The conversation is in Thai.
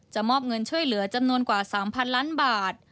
มอบเงินช่วยเหลือจำนวนกว่า๓๐๐ล้านบาท